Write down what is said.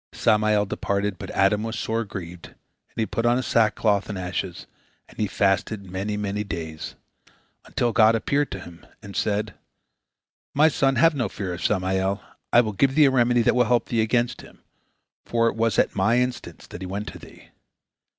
Samael departed, but Adam was sore grieved, and he put on sackcloth and ashes, and he fasted many, many days, until God appeared unto him, and said: "My son, have no fear of Samael. I will give thee a remedy that will help thee against him, for it was at My instance that he went to thee."